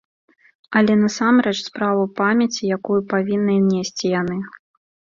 Але насамрэч справа ў памяці, якую павінны несці яны.